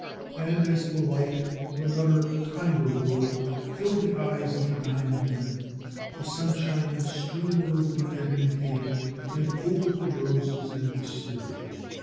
And as the light of another, kinder world filled the eyes of the dying man, the sunshine streamed over the ebony table and over the roses and wistaria.